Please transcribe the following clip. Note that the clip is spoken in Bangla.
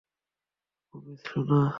প্রমিজ, সোনা।